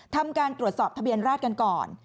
ทำการตรวจสอบทะเบียนราชกันก่อน